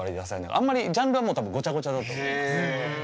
あんまりジャンルはもう多分ごちゃごちゃだと思います。